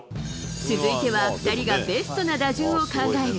続いては２人がベストな打順を考える。